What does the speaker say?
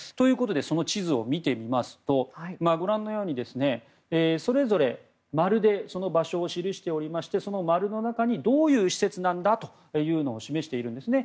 その地図を見てみますとご覧のようにそれぞれ、丸でその場所を記しておりましてその丸の中にどういう施設なんだというのを示しているんですね。